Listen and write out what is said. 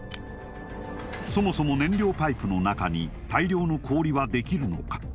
そもそも燃料パイプの中に大量の氷はできるのか？